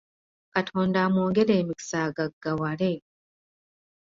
Katonda amwongere emikisa agaggawale.